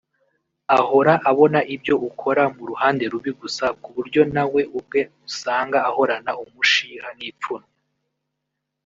Ahora abona ibyo ukora mu ruhande rubi gusa ku buryo nawe ubwe usanga ahorana umushiha n’ipfunnwe